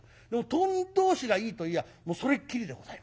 当人同士がいいと言やあもうそれっきりでございますよ。